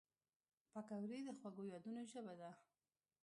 پکورې د خوږو یادونو ژبه ده